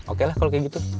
oke lah kalau kayak gitu